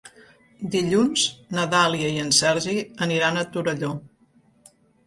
Dilluns na Dàlia i en Sergi aniran a Torelló.